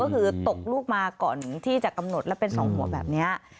ก็คือตกลูกมาก่อนที่จะกำหนดแล้วเป็นสองหัวแบบนี้